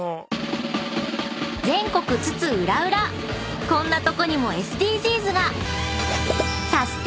［全国津々浦々こんなとこにもＳＤＧｓが！］